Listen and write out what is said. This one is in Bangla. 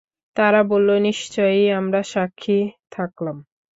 তারা বলল, নিশ্চয়ই, আমরা সাক্ষী থাকলাম।